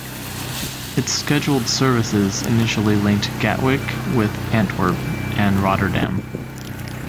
Its scheduled services initially linked Gatwick with Antwerp and Rotterdam.